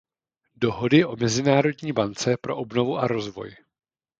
Dohody o Mezinárodní bance pro obnovu a rozvoj.